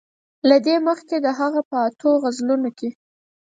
له دې مخکې د هغه په اتو غزلونو کې.